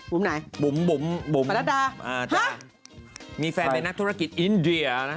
บุ๋มไหนภาธุฆาตโอ๊ยมีแฟนเป็นนักธุรกิจอินเดียนะ